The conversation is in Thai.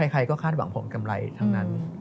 ใครก็คาดหวังผลกำไรทั้งนั้น